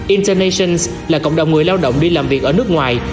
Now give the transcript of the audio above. internations là cộng đồng người lao động đi làm việc ở nước ngoài